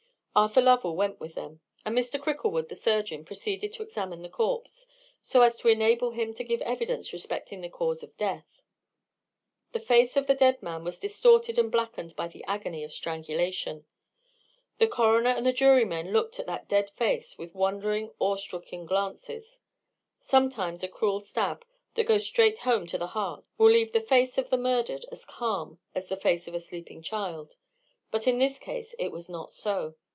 Arthur Lovell went with them; and Mr. Cricklewood, the surgeon, proceeded to examine the corpse, so as to enable him to give evidence respecting the cause of death. The face of the dead man was distorted and blackened by the agony of strangulation. The coroner and the jurymen looked at that dead face with wondering, awe stricken glances. Sometimes a cruel stab, that goes straight home to the heart, will leave the face of the murdered as calm, as the face of a sleeping child. But in this case it was not so.